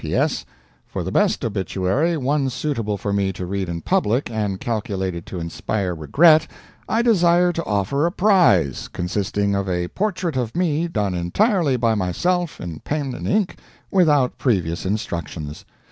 P.S. For the best Obituary one suitable for me to read in public, and calculated to inspire regret I desire to offer a Prize, consisting of a Portrait of me done entirely by myself in pen and ink without previous instructions.